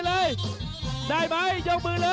แต่ต้องคลาส๔โดยที่๔มีโอกาสค้ามความติดกัน